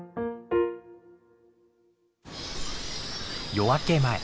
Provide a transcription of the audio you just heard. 夜明け前。